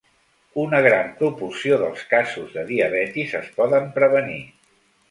Una gran proporció dels casos de diabetis es poden prevenir.